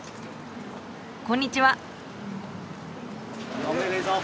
こんにちは。